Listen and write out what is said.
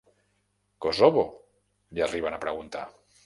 Kosovo?, li arriben a preguntar.